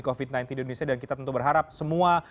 covid sembilan belas di indonesia dan kita tentu berharap semua